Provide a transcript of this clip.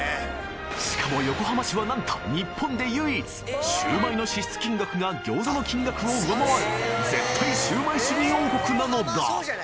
しかも横浜市はなんと日本で唯一シュウマイの支出金額が餃子の金額を上回る絶対シュウマイ主義王国なのだ！